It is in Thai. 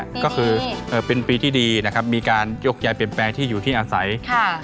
ก็คือเป็นปีที่ดีนะครับมีการยกย้ายเปลี่ยนแปลงที่อยู่ที่อาศัยค่ะ